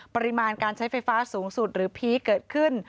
ปริมาณการใช้ไฟฟ้าสูงสุดหรือพีคเกิดขึ้น